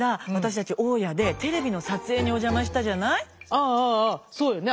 あああそうよね